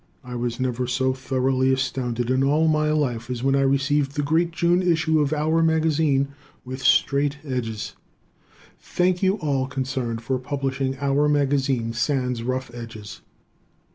I was never so thoroughly astounded in all my life as when I received the great June issue of "our" magazine with straight edges! Thank you and all concerned for publishing "our" magazine sans rough edges.